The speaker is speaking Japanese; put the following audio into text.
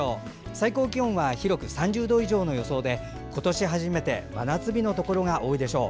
最高気温は広く３０度以上の予想で今年初めての真夏日のところが多いでしょう。